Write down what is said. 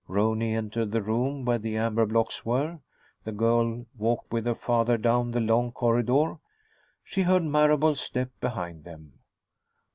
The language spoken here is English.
Rooney entered the room where the amber blocks were. The girl walked with her father down the long corridor. She heard Marable's step behind them.